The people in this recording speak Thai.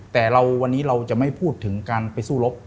แต่วันนี้เราจะไม่พูดถึงการไปสู้รบ